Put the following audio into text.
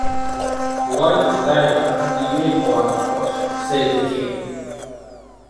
‘Why the Lion and the Unicorn, of course,’ said the King.